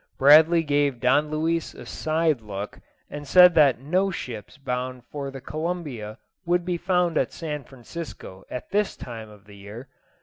Bradley gave Don Luis a side look, and said that no ships bound for the Columbia would be found at San Francisco at this time of the year.